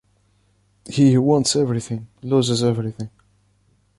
He who wants everything, loses everything.